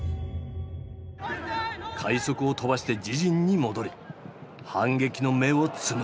快足を飛ばして自陣に戻り反撃の芽を摘む。